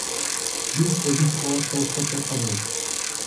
Биз экинчи кабатта уктап жатканбыз.